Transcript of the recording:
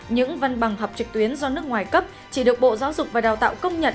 những văn bằng học trực tuyến do nước ngoài cấp chỉ được bộ giáo dục và đào tạo công nhận